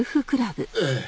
ええ。